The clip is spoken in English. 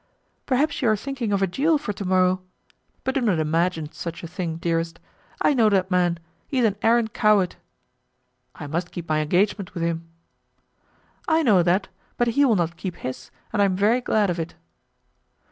"Perhaps you are thinking of a duel for to morrow? But do not imagine such a thing, dearest. I know that man; he is an arrant coward." "I must keep my engagement with him." "I know that, but he will not keep his, and I am very glad of it."